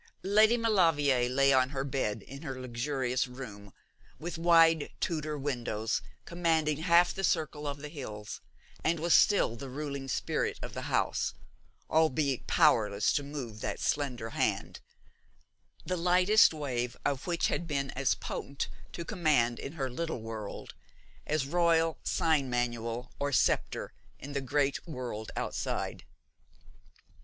Lady Maulevrier lay on her bed in her luxurious room, with wide Tudor windows commanding half the circle of the hills, and was still the ruling spirit of the house, albeit powerless to move that slender hand, the lightest wave of which had been as potent to command in her little world as royal sign manual or sceptre in the great world outside.